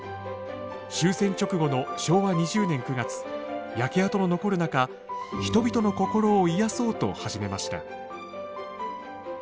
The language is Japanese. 終戦直後の昭和２０年９月焼け跡の残る中人々の心を癒やそうと始めました。